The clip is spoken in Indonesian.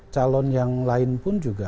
calon yang lain pun juga